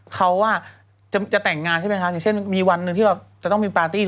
เขาว่าจะแต่งงานใช่ป่ะคะเช่นมีวันที่เราจะต้องมีปาร์ตี้